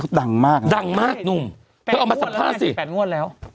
ดังมากดังมากหนุ่มเธอเอามาสัมภาษณ์สิ๘งวดแล้ว